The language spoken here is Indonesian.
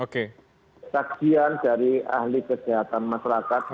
kajian dari ahli kesehatan masyarakat